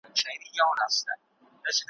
چي مخکي مي هیڅ فکر نه دی پکښی کړی `